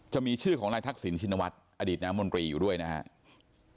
จะมีชื่อของนายทักษิณชินวัฒน์อดีตน้ำมนตรีอยู่ด้วยนะครับ